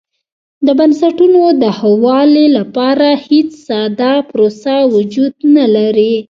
د بنسټونو د ښه والي لپاره هېڅ ساده پروسه وجود نه لري.